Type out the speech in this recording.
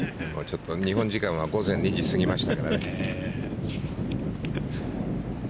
日本時間は午前２時を過ぎましたからね。